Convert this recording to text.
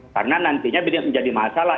karena nantinya bisa menjadi masalah